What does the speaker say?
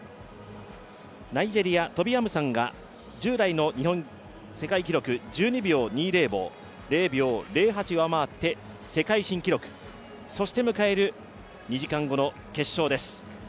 ナイジェリア、トビ・アムサンが従来の世界記録、１２秒２０を０秒０８上回って世界新記録、そして迎える２時間後の決勝です。